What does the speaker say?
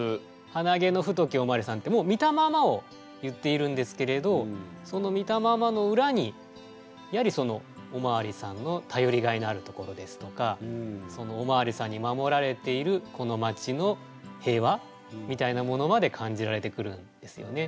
「はなげの太きお巡りさん」ってもう見たままを言っているんですけれどその見たままのうらにやはりそのお巡りさんのたよりがいのあるところですとかそのお巡りさんに守られているこの町の平和みたいなものまで感じられてくるんですよね。